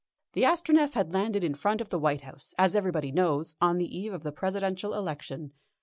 The Astronef had landed in front of the White House, as everybody knows, on the eve of the Presidential election.